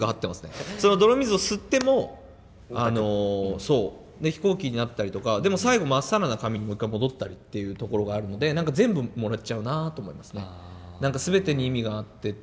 泥水を吸っても飛行機になったりとかでも最後真っさらな紙にもう一回戻ったりっていうところがあるので何か全部もらっちゃうなと思いますね。